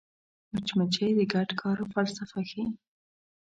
مچمچۍ د ګډ کار فلسفه ښيي